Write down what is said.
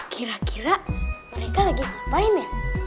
kira kira mereka lagi ngapain ya